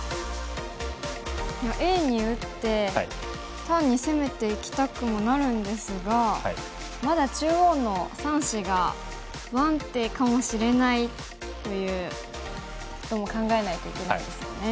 Ａに打って単に攻めていきたくもなるんですがまだ中央の３子が不安定かもしれないということも考えないといけないですよね。